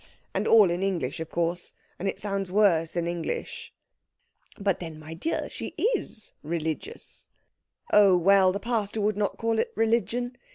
And all in English, of course, and it sounds worse in English." "But then, my dear, she is religious?" "Oh, well, the pastor would not call it religion.